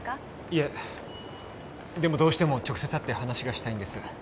いえでもどうしても直接会って話がしたいんです